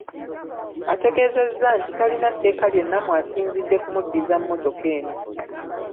Ategezeza nti talina tteeka lyonna mw’asinzidde kumuddiza mmotoka eno.